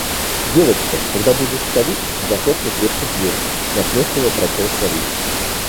– «Девочка, когда будешь уходить, захлопни крепче дверь», – насмешливо прочел старик.